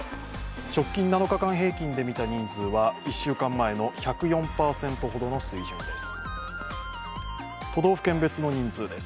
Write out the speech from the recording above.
直近７日間平均で見た人数は１週間前の１０４％ほどの水準です。